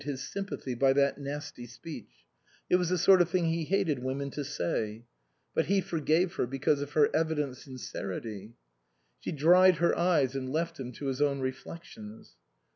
S.Q. 81 G THE COSMOPOLITAN his sympathy by that nasty speech ; it was the sort of thing he hated women to say. But he forgave her because of her evident sincerity. She dried her eyes and left him to his own reflections.